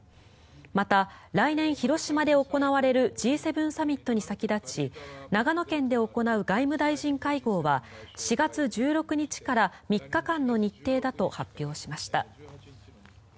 また来年、広島で行われるＧ７サミットに先立ち長野県で行う外務大臣外交は４月１６日から３日間の日程だと発表しました。